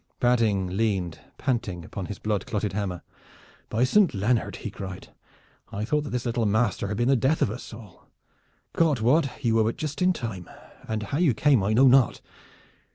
Badding leaned panting upon his blood clotted hammer. "By Saint Leonard!" he cried, "I thought that this little master had been the death of us all. God wot you were but just in time, and how you came I know not.